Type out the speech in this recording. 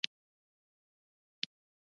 مصنوعي ځیرکتیا د معلوماتي پوهاوي ملاتړ کوي.